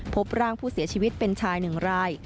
พบร่างผู้เสียชีวิตเป็นชายหนึ่งราย